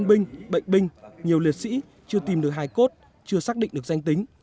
nhân binh bệnh binh nhiều liệt sĩ chưa tìm được hài cốt chưa xác định được danh tính